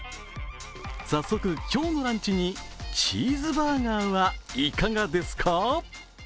早速、今日のランチにチーズネスバーガーはいかがですか？